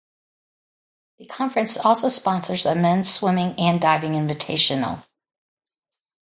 The conference also sponsors a men's swimming and diving invitational.